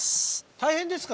大変ですか？